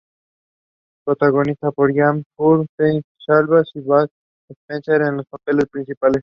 Protagonizada por James Coburn, Telly Savalas y Bud Spencer en los papeles principales.